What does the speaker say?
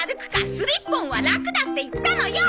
スリッポンはラクだって言ったのよ！